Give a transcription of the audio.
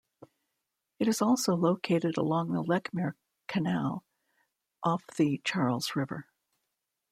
It is also located along the Lechmere Canal off the Charles River.